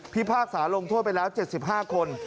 พากษาลงโทษไปแล้ว๗๕คน